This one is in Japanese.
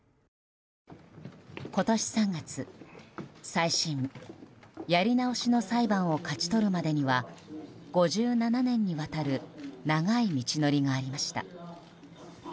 今年３月再審、やり直しの裁判を勝ち取るまでには５７年にわたる長い道のりがありました。